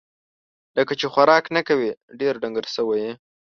لکه چې خوراک نه کوې ، ډېر ډنګر سوی یې